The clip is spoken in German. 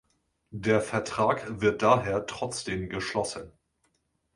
Der Vertrag wird daher trotzdem geschlossen.